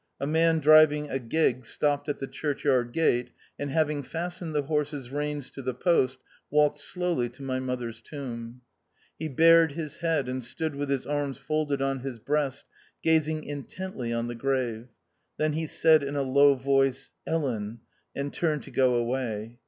A man driving a gig stopped at the churchyard gate, and having fastened the horses' reins to the post, walked slowly to my mother's tomb. He bared his head and stood with his arms folded on his breast, gazing intently on the crave. Then he said in a low voice, Ellen ! and turned to go away.